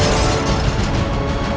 ya ini udah berakhir